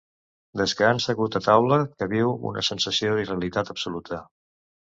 Des que han segut a taula que viu una sensació d'irrealitat absoluta.